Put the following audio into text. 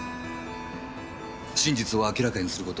真実を明らかにする事。